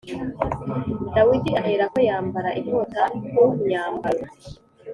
Dawidi aherako yambara inkota ku myambaro